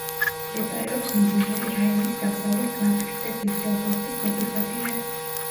მდებარეობს მდინარე რაინის დასავლეთ ნაპირზე, დიუსელდორფის მოპირდაპირედ.